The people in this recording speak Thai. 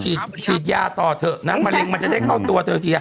ฉีดฉีดยาต่อเถอะนะมะเร็งมันจะได้เข้าตัวเธอที